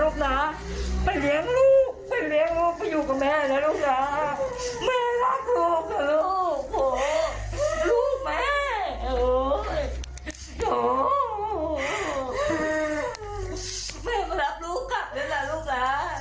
กลับแล้วนะลูกน้าไปเลี้ยงลูกไปเลี้ยงลูกไปอยู่กับแม่แล้วลูกน้า